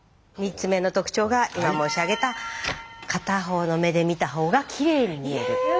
３つ目の特徴が今申し上げた片方の目で見たほうがきれいに見える。